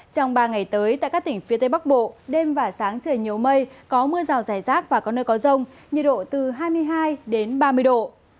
trong ba ngày tới tại các tỉnh phía tây bắc bộ đêm và sáng trời nhiều mây có mưa rào rải rác và có nơi có rông nhiệt độ từ hai mươi hai ba mươi độ